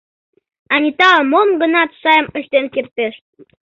Аниталан мом-гынат сайым ыштен кертеш!